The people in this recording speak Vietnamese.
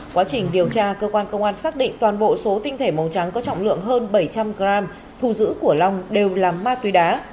quá trình điều tra cơ quan công an xác định toàn bộ số tinh thể màu trắng có trọng lượng hơn bảy trăm linh g thù giữ của long đều là ma túy đá